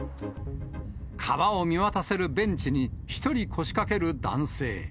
川を見渡せるベンチに、１人腰掛ける男性。